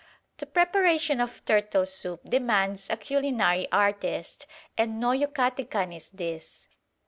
The preparation of turtle soup demands a culinary artist, and no Yucatecan is this.